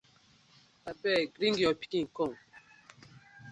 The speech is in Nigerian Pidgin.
I beg bring yo pikin kom.